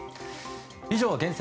以上、厳選！